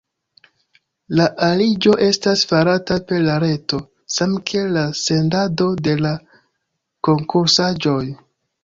La aliĝo estas farata per la reto, samkiel la sendado de la konkursaĵoj.